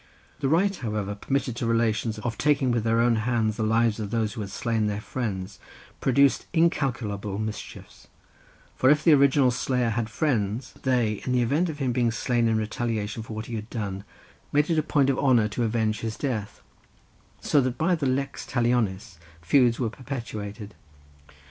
The right, however, permitted to relations of taking with their own hands the lives of those who had slain their friends, produced incalculable mischiefs; for if the original slayer had friends, they, in the event of his being slain in retaliation for what he had done, made it a point of honour to avenge his death, so that by the lex talionis feuds were perpetuated.